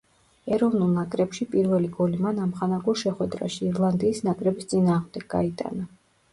ეროვნულ ნაკრებში პირველი გოლი მან ამხანაგურ შეხვედრაში ირლანდიის ნაკრების წინააღმდეგ გაიტანა.